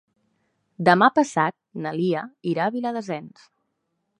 Demà passat na Lia irà a Viladasens.